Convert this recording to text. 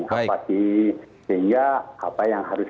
sehingga apa yang harus